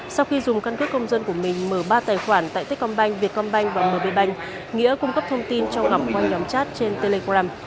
sau khi dùng căn quyết công dân của mình mở ba tài khoản tại tết công banh việt công banh và mv banh nghĩa cung cấp thông tin cho ngọc qua nhóm chat trên telegram